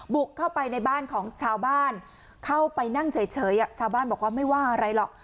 บุกเข้าไปในบ้านของชาวบ้านเข้าไปนั่งเฉยชาวบ้านบอกว่าไม่ว่าอะไรหรอก